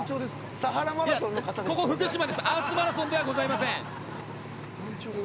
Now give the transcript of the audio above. アースマラソンではございません。